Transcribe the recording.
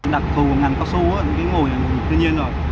đặc thù ngành cao su cái mùi này tự nhiên rồi